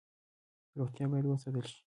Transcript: روغتیا باید وساتل شي